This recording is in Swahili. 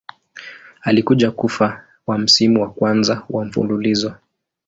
Alikuja kufa wa msimu wa kwanza wa mfululizo.